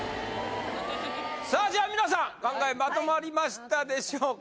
さあじゃあみなさん考えまとまりましたでしょうか